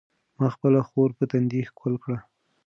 ما خپله خور په تندي ښکل کړه.